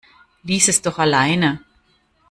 Lies es doch alleine!